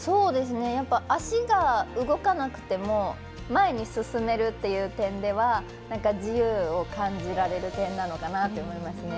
足が動かなくても前に進めるという点ではなんか自由を感じられる点なのかなと思いますね。